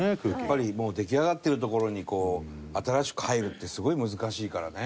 やっぱり出来上がってるところに新しく入るってすごい難しいからね。